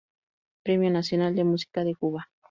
Premio Nacional de Música de Cuba..